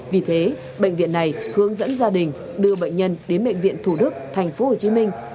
vì thế bệnh viện này hướng dẫn gia đình đưa bệnh nhân đến bệnh viện thủ đức thành phố hồ chí minh